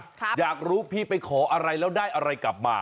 อยากรู้พี่ไปขออะไรแล้วได้อะไรกลับมา